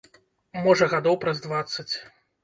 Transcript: Можа, гадоў праз дваццаць.